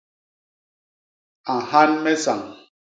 A nhan me sañ.